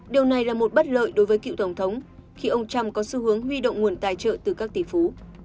điều này là một bất lợi đối với cựu tổng thống khi ông trump có xu hướng huy động nguồn tài trợ từ các tỷ phú